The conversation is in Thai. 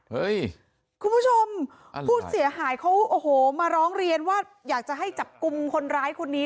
คุณผู้ชมผู้เสียหายเขาโอ้โหมาร้องเรียนว่าอยากจะให้จับกลุ่มคนร้ายคนนี้